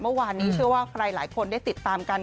เมื่อวานนี้เชื่อว่าใครหลายคนได้ติดตามกัน